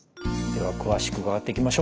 では詳しく伺っていきましょう。